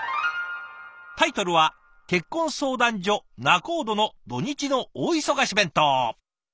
タイトルは「結婚相談所仲人の土日の大忙し弁当」。